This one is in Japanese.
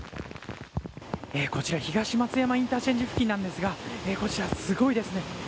こちら、東松山インターチェンジ付近なんですがすごいですね。